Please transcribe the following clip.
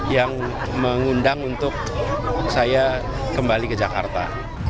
yang mengundang untuk saya kembali ke jakarta